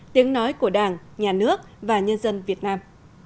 tiếng nói của đảng nhà nước và nhân dân việt nam